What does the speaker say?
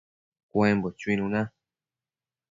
cuembo chuinuna